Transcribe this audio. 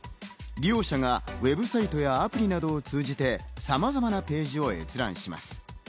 利用者がＷＥＢサイトやアプリなどを通じて、さまざまなページを閲覧します。